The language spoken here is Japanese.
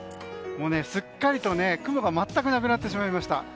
すっかりと雲が全くなくなってしまいました。